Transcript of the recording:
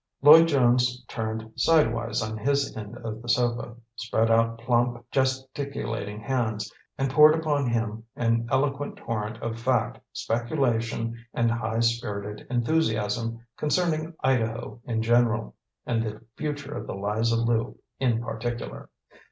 Lloyd Jones turned sidewise on his end of the sofa, spread out plump, gesticulating hands, and poured upon him an eloquent torrent of fact, speculation and high spirited enthusiasm concerning Idaho in general and the future of the Liza Lu in particular.